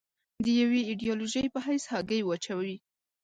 د یوې ایدیالوژۍ په حیث هګۍ واچوي.